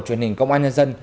truyền hình công an nhân dân